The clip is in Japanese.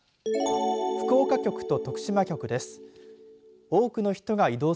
福岡局と徳島局です。